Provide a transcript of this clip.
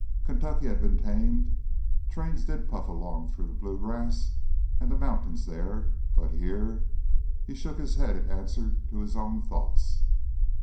Kentucky had been tamed; trains did puff along through the Blue Grass and the mountains there. But here—he shook his head in answer to his own thoughts.